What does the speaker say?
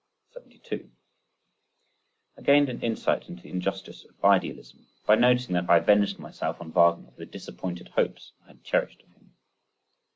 72. I gained an insight into the injustice of idealism, by noticing that I avenged myself on Wagner for the disappointed hopes I had cherished of him.